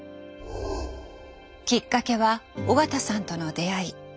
きっかけは緒方さんとの出会い。